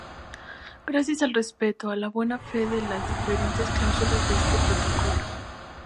Gracias al respeto a la buena fe de las diferentes cláusulas de este protocolo.